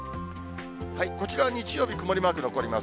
こちら、日曜日曇りマーク残ります。